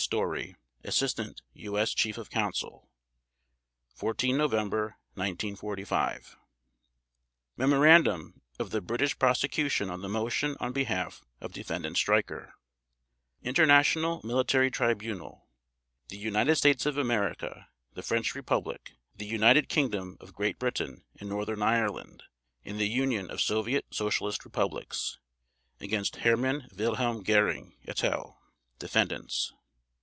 STOREY Asst. U. S. Chief of Counsel 14 November 1945 MEMORANDUM OF THE BRITISH PROSECUTION ON THE MOTION ON BEHALF OF DEFENDANT STREICHER INTERNATIONAL MILITARY TRIBUNAL THE UNITED STATES OF AMERICA, THE FRENCH REPUBLIC, THE UNITED KINGDOM OF GREAT BRITAIN AND NORTHERN IRELAND, and THE UNION OF SOVIET SOCIALIST REPUBLICS — against — HERMANN WILHELM GÖRING, et al., Defendants.